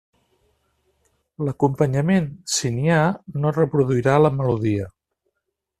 L'acompanyament, si n'hi ha, no reproduirà la melodia.